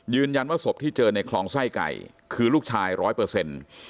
ศพที่เจอในคลองไส้ไก่คือลูกชายร้อยเปอร์เซ็นต์